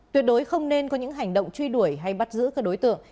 tuyệt đối không nên có những hành động truy đuổi hay bắt giữ các đối tượng